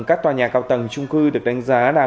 các tòa nhà cao tầng trung cư được đánh giá là